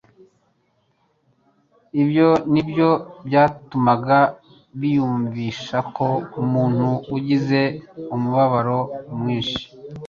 Ibyo nibyo byatumaga biyumvisha ko umuntu ugize umubabaro mwinshi